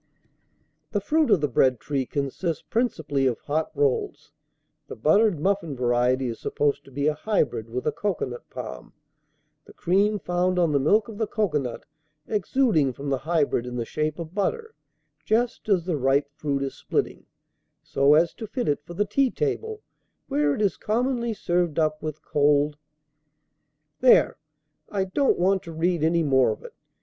"The fruit of the bread tree consists principally of hot rolls. The buttered muffin variety is supposed to be a hybrid with a cocoanut palm, the cream found on the milk of the cocoanut exuding from the hybrid in the shape of butter, just as the ripe fruit is splitting, so as to fit it for the tea table, where it is commonly served up with cold " There, I don't want to read any more of it.